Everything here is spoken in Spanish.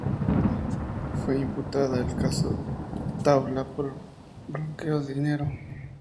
Fue imputada en el caso Taula por blanqueo de dinero.